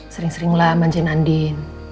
sering seringlah manjain andin